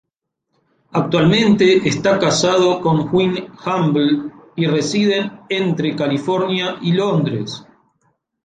Actualmente está casado con Gwen Humble, y residen entre California y Londres.